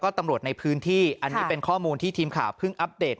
ตำรวจในพื้นที่อันนี้เป็นข้อมูลที่ทีมข่าวเพิ่งอัปเดต